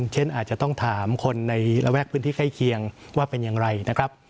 เช่นอาจจะต้องถามคนในระแวกพื้นที่ใกล้เคียงว่าเป็นอย่างไรนะครับ